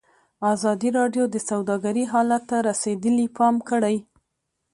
ازادي راډیو د سوداګري حالت ته رسېدلي پام کړی.